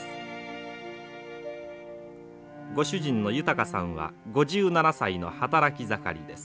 ご主人の豊さんは５７歳の働き盛りです。